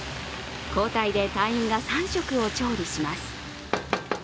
交代で隊員が３食を調理します。